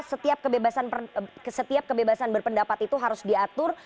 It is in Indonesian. setiap kebebasan berpendapat itu harus diatur